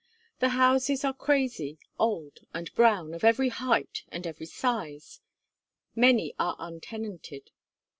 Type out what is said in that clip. The houses are crazy, old, and brown, of every height and every size; many are untenanted.